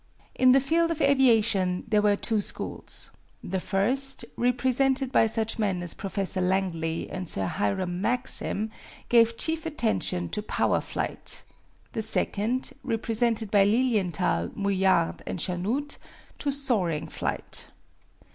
In the field of aviation there were two schools. The first, represented by such men as Professor Langley and Sir Hiram Maxim, gave chief attention to power flight; the second, represented by Lilienthal, Mouillard, and Chanute, to soaring flight.